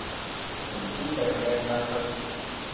Tuntuu terveemmältä.